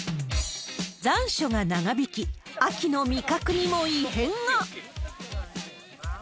残暑が長引き、秋の味覚にも異変が。